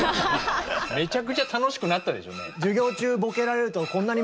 めちゃくちゃ楽しくなったでしょ。